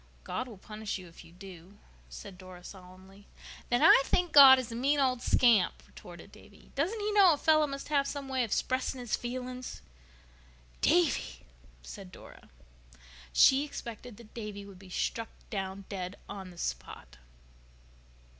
"God will punish you if you do," said Dora solemnly. "Then I think God is a mean old scamp," retorted Davy. "Doesn't He know a fellow must have some way of 'spressing his feelings?" "Davy!!!" said Dora. She expected that Davy would be struck down dead on the spot.